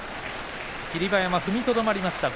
霧馬山、踏みとどまりました。